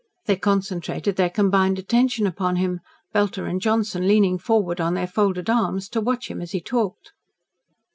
They concentrated their combined attention upon him, Belter and Johnson leaning forward on their folded arms, to watch him as he talked.